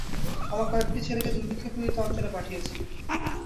আমার কয়েকটি ছেলেকে দুর্ভিক্ষ-পীড়িত অঞ্চলে পাঠিয়েছি।